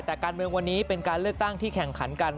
แต่การเมืองวันนี้เป็นการเลือกตั้งที่แข่งขันกัน